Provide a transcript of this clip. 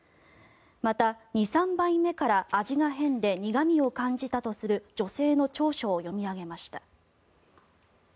また、２３杯目から味が変で苦味を感じたとする女性の調書を読み上げました。